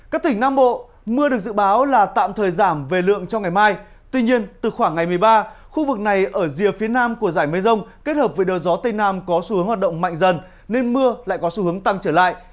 các tỉnh nam bộ mưa được dự báo là tạm thời giảm về lượng trong ngày mai tuy nhiên từ khoảng ngày một mươi ba khu vực này ở rìa phía nam của giải mây rông kết hợp với đời gió tây nam có xu hướng hoạt động mạnh dần nên mưa lại có xu hướng tăng trở lại